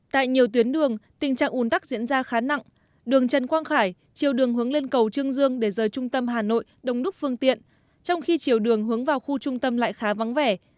tại nhiều tuyến đường tình trạng ủn tắc diễn ra khá nặng đường trần quang khải chiều đường hướng lên cầu trương dương để rời trung tâm hà nội đồng đúc phương tiện trong khi chiều đường hướng vào khu trung tâm lại khá vắng vẻ